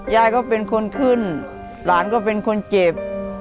ยายก็เป็นคนขึ้นหลานก็เป็นคนเจ็บ